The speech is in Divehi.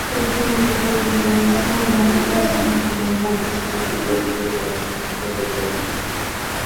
ފަލަސްތީނުގެ ބިންތަކުގެ ބޮޑު ބައެއް އިސްރާއީލުން އަނެއްކާވެސް ހިފުމަށް ކުރަމުންދާ މަސައްކަތާ ގުޅިގެން ދިވެހިރާއްޖެއިން އެކަން ކުށްވެރިކޮށްފި